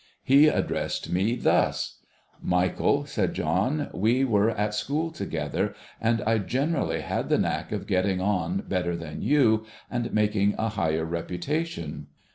He addressed me thus :' Michael,' said John, ' we were at school together, and I gene rally had the knack of getting on better than you, and making a higher reputation.'